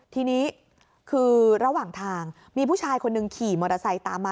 ทีนี้คือระหว่างทางมีผู้ชายคนหนึ่งขี่มอเตอร์ไซค์ตามมา